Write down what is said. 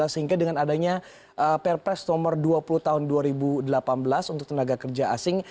sehingga dengan adanya perpres nomor dua puluh tahun dua ribu delapan belas untuk tenaga kerja asing